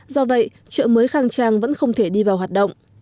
do vậy chợ mới khang trang vẫn không thể đi vào hoạt động